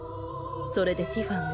それでティファンが。